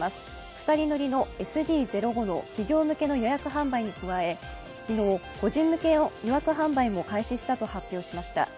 二人乗りのＳＤ−０５の企業向けの予約販売に加え、昨日個人向け予約販売も開始したと発表しました。